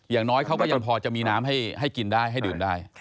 อย่างน้อยเขาก็ยังพอจะมีน้ำให้กินได้ให้ดื่มได้